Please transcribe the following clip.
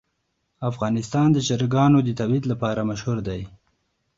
افغانستان د چرګانو د تولید لپاره مشهور دی.